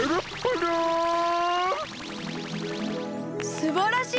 すばらしい！